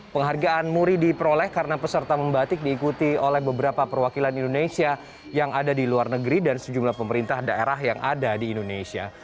penghargaan muri diperoleh karena peserta membatik diikuti oleh beberapa perwakilan indonesia yang ada di luar negeri dan sejumlah pemerintah daerah yang ada di indonesia